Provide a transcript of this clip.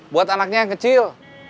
buat anaknya yang kecil